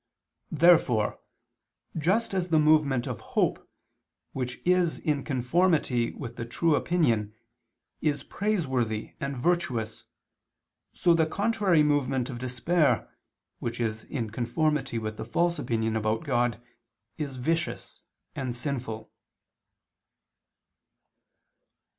Therefore, just as the movement of hope, which is in conformity with the true opinion, is praiseworthy and virtuous, so the contrary movement of despair, which is in conformity with the false opinion about God, is vicious and sinful.